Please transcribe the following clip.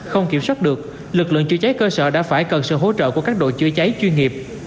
không kiểm soát được lực lượng chữa cháy cơ sở đã phải cần sự hỗ trợ của các đội chữa cháy chuyên nghiệp